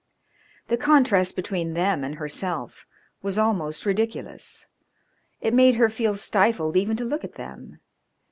The contrast between them and herself was almost ridiculous. It made her feel stifled even to look at them.